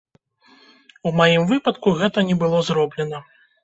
У маім выпадку гэта не было зроблена.